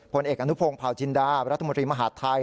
ผลเอกอนุพงศ์เผาจินดารัฐมนตรีมหาดไทย